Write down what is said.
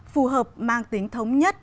phù hợp mang tính thống nhất